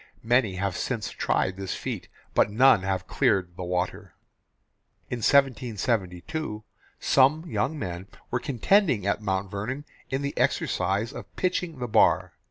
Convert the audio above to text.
Many have since tried this feat, but none have cleared the water. In 1772 some young men were contending at Mount Vernon in the exercise of pitching the bar.